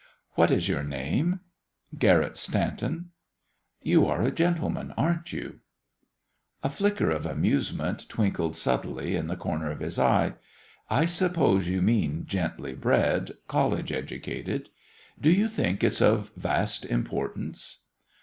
"What is your name?" "Garrett Stanton." "You are a gentleman, aren't you?" A flicker of amusement twinkled subtly in the corner of his eye. "I suppose you mean gently bred, college educated. Do you think it's of vast importance?"